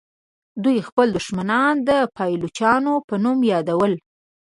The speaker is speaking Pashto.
دوی خپل دښمنان د پایلوچانو په نوم یادول.